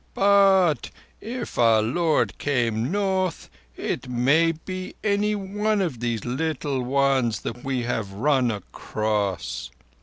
"But—if our Lord came North, it may be any one of these little ones that we have run across."